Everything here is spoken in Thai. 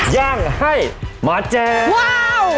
ย่างให้มาแจ้ง